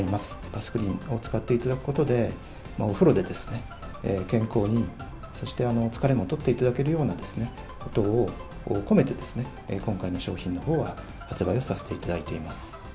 バスクリンを使っていただくことで、お風呂で健康に、そして疲れも取っていただけるようなことを込めてですね、今回の商品のほうは発売をさせていただいています。